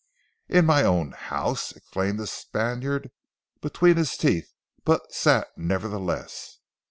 "In my own house!" exclaimed the Spaniard between his teeth but sat nevertheless.